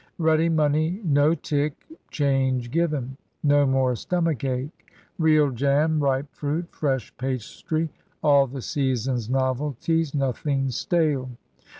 ] Ready money. No tick. Change given. no more stomach ache!! Real jam! Ripe fruit! Fresh pastry! All the season's novelties. Nothing stale.